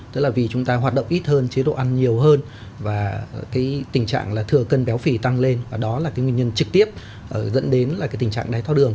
tức là vì chúng ta hoạt động ít hơn chế độ ăn nhiều hơn và cái tình trạng là thừa cân béo phì tăng lên và đó là cái nguyên nhân trực tiếp dẫn đến là cái tình trạng đáy thao đường